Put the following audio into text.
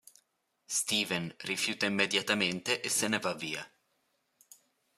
Steven rifiuta immediatamente e se ne va via.